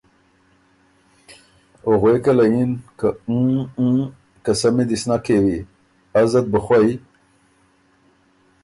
او غوېکه له یِن که اُوں ــ اُوں ــ قسَمّی دی سو نک کېوی، ازه ت بُو خوئ